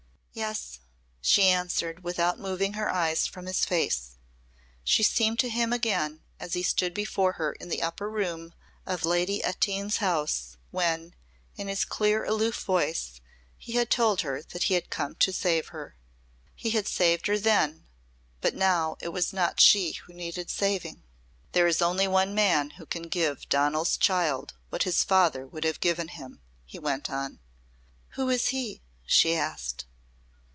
"Yes," she answered without moving her eyes from his face. She seemed to him again as he stood before her in the upper room of Lady Etynge's house when, in his clear aloof voice, he had told her that he had come to save her. He had saved her then, but now it was not she who needed saving. "There is only one man who can give Donal's child what his father would have given him," he went on. "Who is he?" she asked.